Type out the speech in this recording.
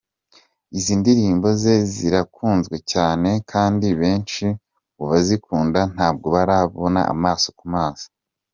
Izi ndirimbo ze zirakunzwe cyane kandi benshi mu bazikunda ntabwo baramubona amaso ku maso.